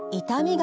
が